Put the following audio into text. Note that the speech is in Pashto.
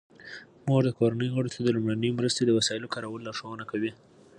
مور د کورنۍ غړو ته د لومړنۍ مرستې د وسایلو کارولو لارښوونه کوي.